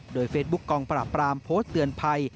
โดยเฟซบุ๊คกองปราบปรามโพสต์เตือนภัย